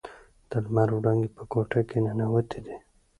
د لمر وړانګې په کوټه کې ننووتې دي.